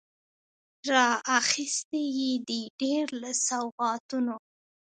راخیستي یې دي، ډیر له سوغاتونو